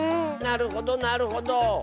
なるほどなるほど。